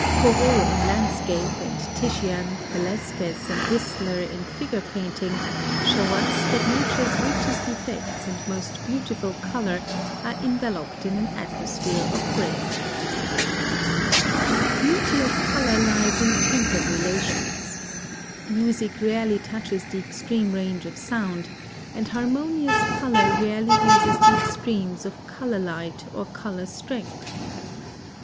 Corot in landscape, and Titian, Velasquez, and Whistler in figure painting, show us that Nature's richest effects and most beautiful color are enveloped in an atmosphere of gray. Beauty of Color lies in Tempered Relations. Music rarely touches the extreme range of sound, and harmonious color rarely uses the extremes of color light or color strength.